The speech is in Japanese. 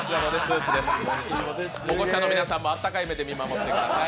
保護者の皆さんもあったかい目で見守ってください。